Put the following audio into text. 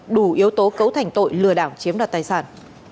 đủ yếu tố cấu thành tội lừa đảo chiếm đoạt tài sản